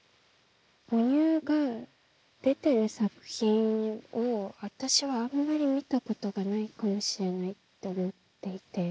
母乳が出てる作品を私はあんまり見たことがないかもしれないって思っていて。